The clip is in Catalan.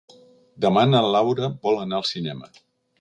Demà na Laura vol anar al cinema.